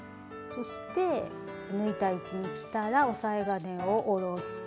そして縫いたい位置にきたら押さえ金を下ろして。